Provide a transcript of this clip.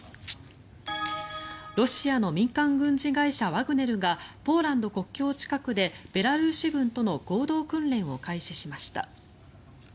ロシアの民間軍事会社ワグネルがポーランド国境近くでベラルーシ軍との合同訓練を開始しました。